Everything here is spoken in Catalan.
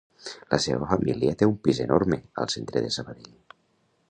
La seva família té un pis enorme al centre de Sabadell.